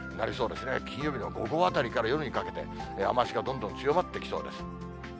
金曜日の午後あたりから夜にかけて、雨足がどんどん強まってきそうです。